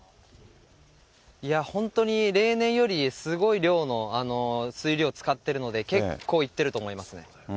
本当に、例年よりすごい量の水量使ってるので、結構いってると思いますね。